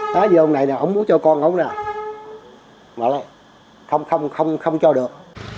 nói gì ông này nào ông muốn cho con không nào mở lại không không không không cho được